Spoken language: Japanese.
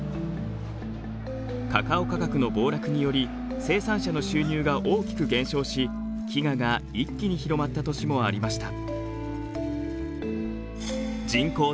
カカオ価格の暴落により生産者の収入が大きく減少し飢餓が一気に広まった年もありました。